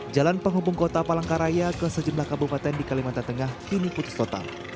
jalan penghubung kota palangkaraya ke sejumlah kabupaten di kalimantan tengah kini putus total